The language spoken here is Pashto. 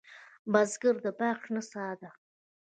بزګر د باغ شنه سا ده